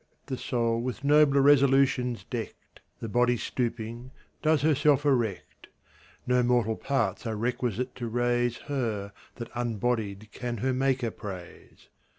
The soul with nobler resolutions decked, The body stooping, does herself erect: No mortal parts are requisite to raise Her that unbodied can her Maker praise.